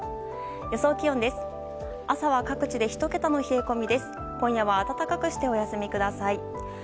予想気温です。